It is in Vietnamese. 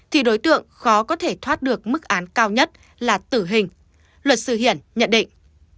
thì đối tượng khó có thể thoát được mức án cao nhất là tử hình luật sư hiển nhận định